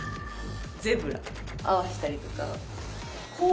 ゼブラ合わせたりとか。